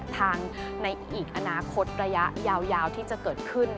ในอีกอนาคตระยะยาวที่จะเกิดขึ้น